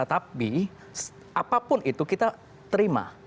tapi apapun itu kita terima